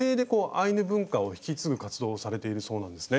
アイヌ文化を引き継ぐ活動をされているそうなんですね。